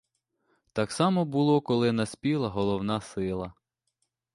Так само було, коли наспіла головна сила.